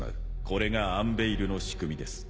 これがアンベイルの仕組みです。